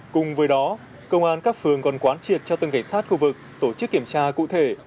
cùng với đó công an các phường còn quán triệt cho từng cảnh sát khu vực tổ chức kiểm tra cụ thể